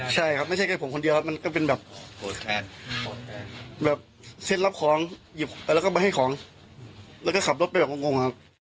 ใช่ครับไม่ใช่แค่ผมคนเดียวครับมันก็เป็นแบบโกรธแค้นแบบเซ็ตรับของหยิบแล้วก็ไปให้ของแล้วก็ขับรถไปแบบงงครับ